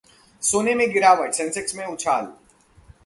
सोने में गिरावट, सेंसेक्स में उछाल